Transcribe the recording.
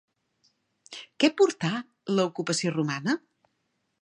Què portà l'ocupació romana?